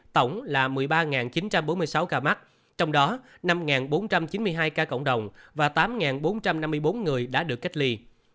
tổng là một mươi ba chín trăm bốn mươi sáu ca mắc trong đó năm bốn trăm chín mươi hai ca cộng đồng và tám bốn trăm năm mươi bốn người đã được cách ly